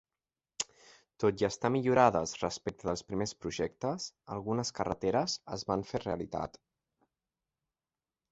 Tot i estar millorades respecte dels primers projectes, algunes carreteres es van fer realitat.